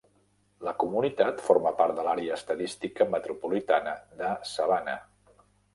La comunitat forma part de l'àrea estadística metropolitana de Savannah.